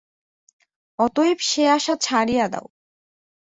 অতএব সে আশা ছাড়িয়া দাও।